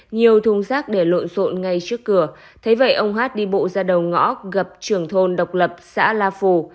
nhiều thùng xác để lộn xộn ngay trước cửa thấy vậy ông hát đi bộ ra đầu ngõ gặp trưởng thôn độc lập xã là phủ